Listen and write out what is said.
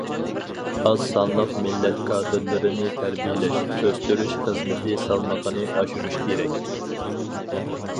ئاز سانلىق مىللەت كادىرلىرىنى تەربىيەلەش، ئۆستۈرۈش خىزمىتى سالمىقىنى ئاشۇرۇش كېرەك.